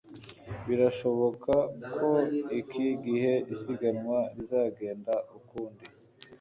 birashoboka ko iki gihe isiganwa rizagenda ukundi